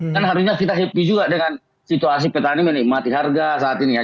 kan harusnya kita happy juga dengan situasi petani menikmati harga saat ini ya